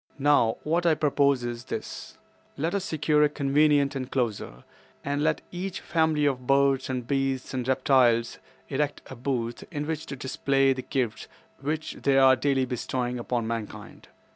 "Now, what I propose is this: Let us secure a convenient enclosure, and let each family of birds and beasts and reptiles erect a booth in which to display the gifts which they are daily bestowing upon mankind.